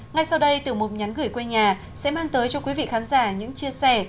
ngay sau đây tiểu mục nhắn gửi quê nhà sẽ mang tới cho quý vị khán giả những chia sẻ